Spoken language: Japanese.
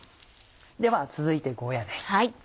では続いてゴーヤです。